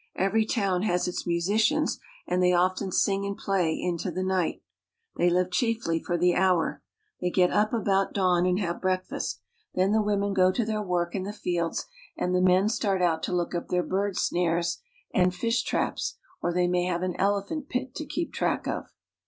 Every town has its mu sicians, and they often sing and play far into the night. They live chiefly for the hour. They get up about dawn LIFE UPON THE KONGO 237 and have breakfast. Then the women go to their work | in the fields, and the men start out to look up their bird snares and fish traps, or they may have an elephant pit to keep track of.